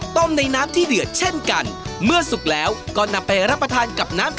ต้มในน้ำที่เดือดเช่นกันเมื่อสุกแล้วก็นำไปรับประทานกับน้ำ